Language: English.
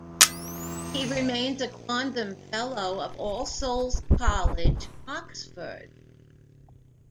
He remains a Quondam Fellow of All Souls College, Oxford.